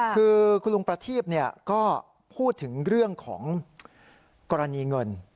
คือคุณลุงประทีพก็พูดถึงเรื่องของกรณีเงิน